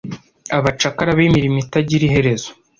abacakara b'imirimo itagira iherezo